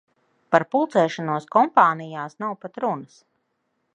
Par pulcēšanos kompānijās nav pat runas.